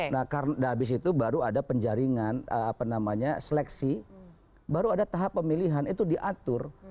nah habis itu baru ada penjaringan apa namanya seleksi baru ada tahap pemilihan itu diatur